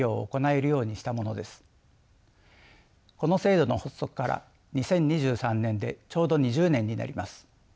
この制度の発足から２０２３年でちょうど２０年になります。